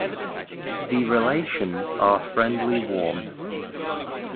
The relations are friendly warm.